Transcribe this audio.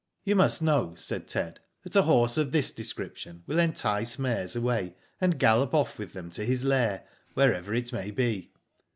*'You must know," said Ted, ^' that a horse of this description will entice mares away, and gallop off with them to his lair, wherever it may be.